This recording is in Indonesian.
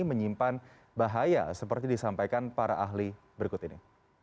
menyimpan bahaya seperti disampaikan para ahli berikut ini